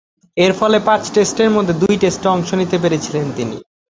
এরফলে পাঁচ টেস্টের মধ্যে দুই টেস্টে অংশ নিতে পেরেছিলেন তিনি।